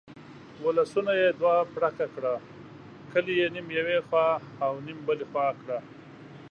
ولسونه یې دوه پړکه کړه، کلي یې نیم یو خوا نیم بلې خوا کړه.